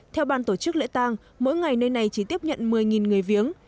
theo ban tổ chức lễ tàng mỗi ngày nơi này chỉ tiếp nhận một mươi người viếng